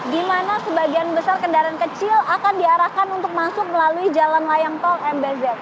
di mana sebagian besar kendaraan kecil akan diarahkan untuk masuk melalui jalan layang tol mbz